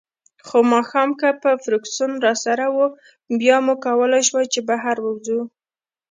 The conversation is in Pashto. خو ماښام که به فرګوسن راسره وه، بیا مو کولای شوای چې بهر ووځو.